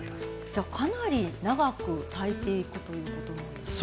じゃあかなり長く炊いていくということなんですね。